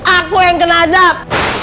aku yang kena azab